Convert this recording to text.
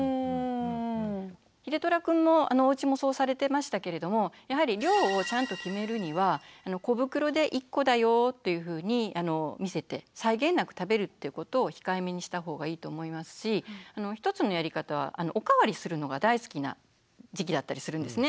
ひでとらくんのおうちもそうされてましたけれどもやはり量をちゃんと決めるには小袋で１個だよっていうふうに見せて際限なく食べるっていうことを控えめにした方がいいと思いますし一つのやり方はおかわりするのが大好きな時期だったりするんですね。